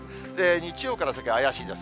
日曜から先、怪しいです。